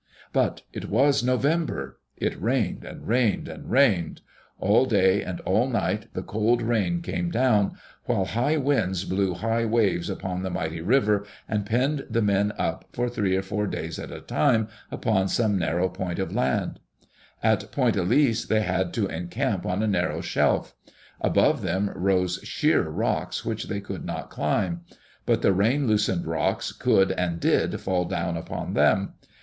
But it was November 1 It rained and rained and rained. All day and all night the cold rain came down, while high winds blew high waves upon the mighty river, and penned the men up for three or four days at a time upon some narrow point of land. On Point EUice they had to encamp on a narrow shelf. Above them rose sheer rocks which they could not climb. But the rain loosened rocks could and did fall down upon them.